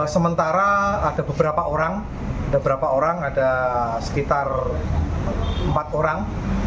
sementara ada beberapa orang ada sekitar empat orang